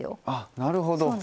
あっなるほど。